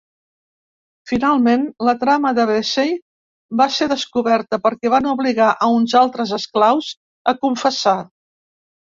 Finalment, la trama de Vesey va ser descoberta perquè van obligar a uns altres esclaus a confessar.